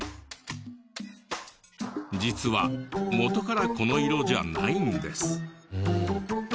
実は元からこの色じゃないんです。